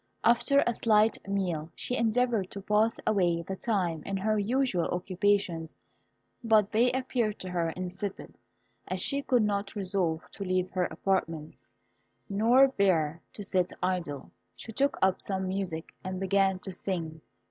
After a slight meal she endeavoured to pass away the time in her usual occupations, but they appeared to her insipid. As she could not resolve to leave her apartments, nor bear to sit idle, she took up some music, and began to sing.